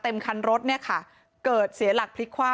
เต็มคันรถเนี่ยค่ะเกิดเสียหลักพลิกคว่ำ